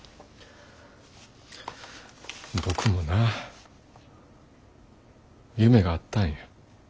僕もなあ夢があったんや。